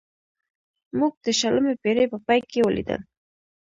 موږ د شلمې پېړۍ په پای کې ولیدل.